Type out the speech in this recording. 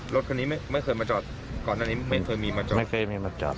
รถคันนี้ไม่เคยมาจอดก่อนอันนี้ไม่เคยมีมาจอดไม่เคยมีมาจอด